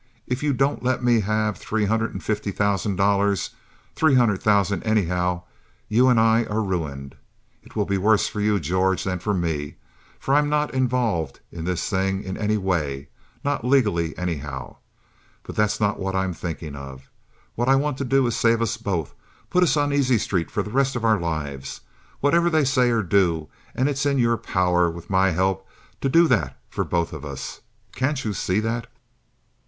If you don't let me have three hundred and fifty thousand dollars—three hundred thousand, anyhow—you and I are ruined. It will be worse for you, George, than for me, for I'm not involved in this thing in any way—not legally, anyhow. But that's not what I'm thinking of. What I want to do is to save us both—put us on easy street for the rest of our lives, whatever they say or do, and it's in your power, with my help, to do that for both of us. Can't you see that?